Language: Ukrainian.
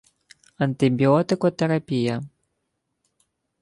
антибіотикотерапія